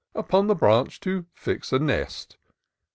Upon the branch to fix a nest.